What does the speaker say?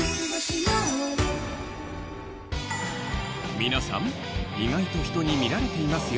皆さん意外と人に見られていますよ